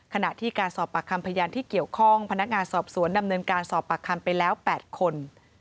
ขณะที่การสอบปากคำพยานที่เกี่ยวข้องพนักงานสอบสวนดำเนินการสอบปากคำไปแล้ว๘คน